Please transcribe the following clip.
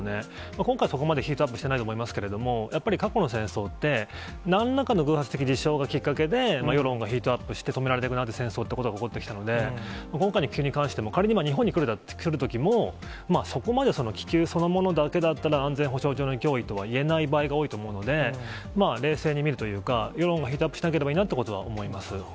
今回、そこまでヒートアップしてないと思いますけれども、やっぱり過去の戦争って、なんらかの偶発的事象がきっかけで、世論がヒートアップして、止められなくなって、戦争っていうものが起こってきたので、今回の気球に関しても、仮に日本に来るときも、そこまで、気球そのものだけだったら、安全保障上の脅威とは言えない場合が多いと思うので、冷静に見るというか、世論がヒートアップしなければいいなということは思います。